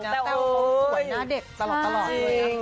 แต้วเขาสวยหน้าเด็กตลอดเลยนะ